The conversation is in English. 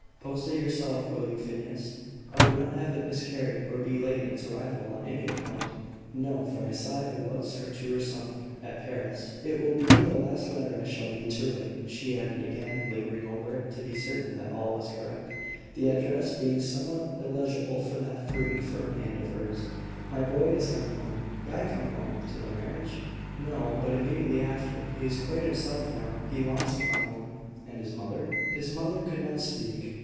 "Post it yourself, will you, Phineas? I would not have it miscarry, or be late in its arrival, on any account." No, for I saw it was to her son, at Paris. "It will be the last letter I shall need to write," she added, again lingering over it, to be certain that all was correct the address being somewhat illegible for that free, firm hand of hers. "My boy is coming home." "Guy coming home! To the marriage?" "No; but immediately after. He is quite himself now. He longs to come home." "And his mother?" His mother could not speak.